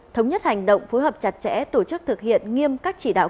thống nhất hành động phối hợp chặt chẽ tổ chức thực hiện nghiêm các chỉ đạo